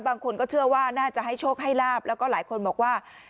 บางคนก็เชื่อว่าน่าจะให้โชคให้ลาบแล้วก็หลายคนบอกว่า